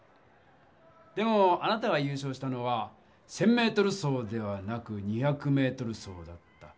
でもあなたが優勝したのは１０００ｍ走ではなく２００ｍ走だった。